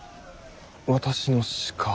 私の鹿。